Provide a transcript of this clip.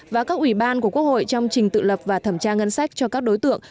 và các ủy ban của quốc hội trong trình tự lập và thẩm tra ngân sách cho các đối tượng